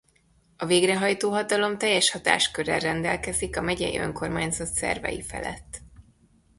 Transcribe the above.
A végrehajtó hatalom teljes hatáskörrel rendelkezik a megyei önkormányzat szervei felett.